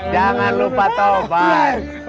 jangan lupa tobi